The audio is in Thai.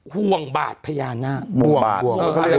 ห่วงบาดพญานาค